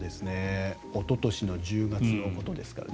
おととしの１０月のことですからね